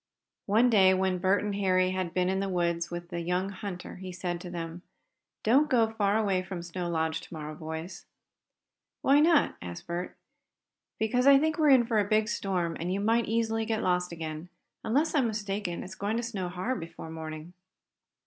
One day, when Bert and Harry had been in the woods with the young hunter, he said to them: "Don't go far away from Snow Lodge to morrow, boys." "Why not?" asked Bert. "Because I think we're in for a big storm, and you might easily get lost again. Unless I'm mistaken, it's going to snow hard before morning."